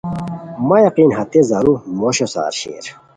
مہ یقین ہتے زارو موشو سار شیر